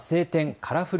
カラフル